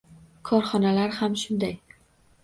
Korxonalar ham shunday –